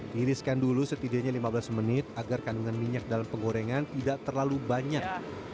tiriskan dulu setidaknya lima belas menit agar kandungan minyak dalam penggorengan tidak terlalu banyak